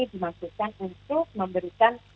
dimaksudkan untuk memberikan